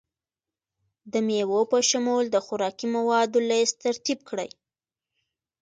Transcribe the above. د میوو په شمول د خوراکي موادو لست ترتیب کړئ.